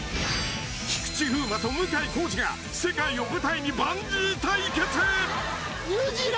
菊池風磨と向井康二が世界を舞台にバンジー対決！